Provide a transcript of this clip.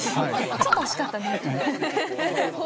ちょっと惜しかったね。